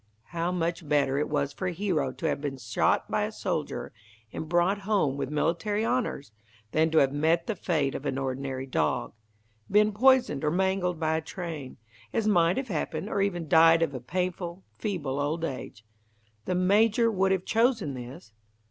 "How much better it was for Hero to have been shot by a soldier and brought home with military honours, than to have met the fate of an ordinary dog been poisoned, or mangled, by a train, as might have happened, or even died of a painful, feeble old age. The Major would have chosen this?